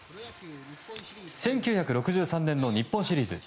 １９６３年の日本シリーズ。